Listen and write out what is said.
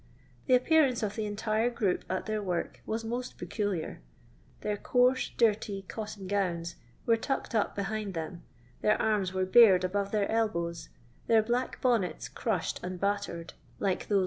The appearance of the entire group at their work was most peculiar. Their coarse dirty cotton gowns were tucked up behind them, their arms were bared above their elbows, their bbck bonnets crushed and battered like in LOMDON LABOUR AND THE LONDON BOOR.